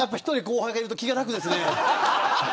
やっぱり１人後輩がいると気が楽ですね。